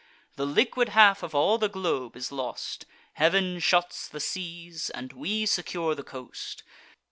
The liquid half of all the globe is lost; Heav'n shuts the seas, and we secure the coast.